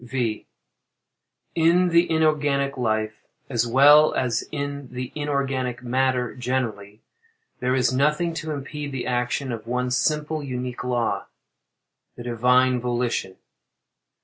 V. In the inorganic life, as well as in the inorganic matter generally, there is nothing to impede the action of one simple unique law—the Divine Volition.